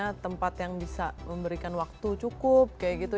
ada tempat yang bisa memberikan waktu cukup kayak gitu